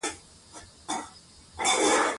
ماته پر څانگو د غوټیو شپې منظوری نه وې